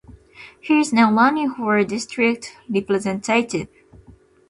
He is now running for district representative.